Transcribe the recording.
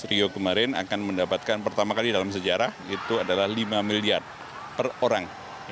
rio kemarin akan mendapatkan pertama kali dalam sejarah itu adalah lima miliar per orang